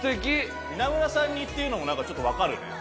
稲村さん似っていうのもなんかちょっとわかるね。